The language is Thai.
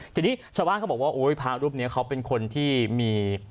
ทีนี้ชาวบ้านเขาบอกว่าพระรูปนี้เขาเป็นคนที่มี